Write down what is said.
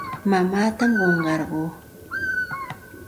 Mamaatam qunqarquu.